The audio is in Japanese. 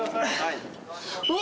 うわ。